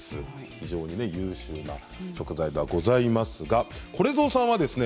非常に優秀な食材ではございますがこれぞうさんはですね